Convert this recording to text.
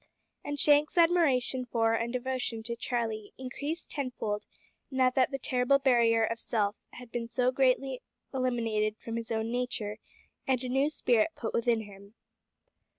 And Shank's admiration for and devotion to Charlie increased tenfold now that the terrible barrier of self had been so greatly eliminated from his own nature, and a new spirit put within him.